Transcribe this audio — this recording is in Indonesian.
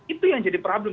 itu yang jadi problem